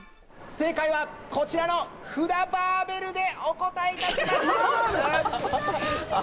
正解はこちらの札バーベルでお答えします。